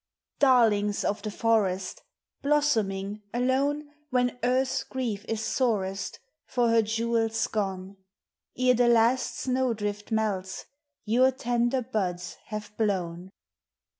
Darlings of the forest ! Blossoming, alone, When Earth's grief is sorest For her jewels gone — Ere the last snow drift melts, your tender buds have blown.